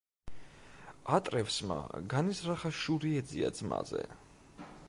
ატრევსმა განიზრახა შური ეძია ძმაზე.